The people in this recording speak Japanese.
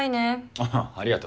ああありがと。